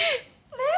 ねえ！